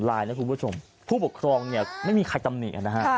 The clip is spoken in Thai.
นะคุณผู้ชมผู้ปกครองเนี่ยไม่มีใครตำหนินะฮะ